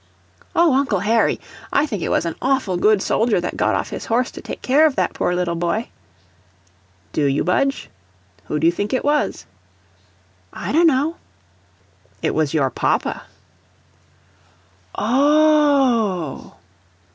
"Oh, Uncle Harry! I think it was an AWFUL good soldier that got off his horse to take care of that poor little boy." "Do you, Budge? Who do you think it was?" "I dunno." "It was your papa." "Oh h h h h!"